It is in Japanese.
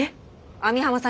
網浜さん！